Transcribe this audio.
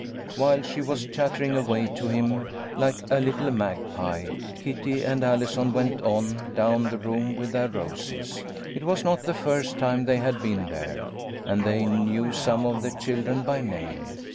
While she was chattering away to him like a little magpie, Kitty and Allison went on down the room with their roses. It was not the first time they had been there, and they knew some of the children by name.